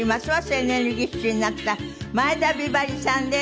エネルギッシュになった前田美波里さんです。